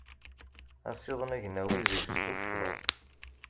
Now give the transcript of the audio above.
Asiḍen agnawi degs tuccḍa.